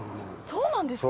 そうなんですか？